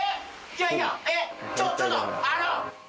ちょちょっとあの。